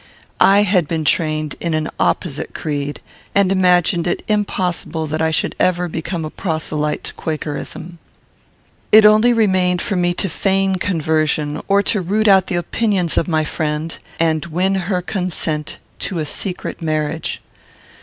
I had been trained in an opposite creed, and imagined it impossible that I should ever become a proselyte to Quakerism. It only remained for me to feign conversion, or to root out the opinions of my friend and win her consent to a secret marriage.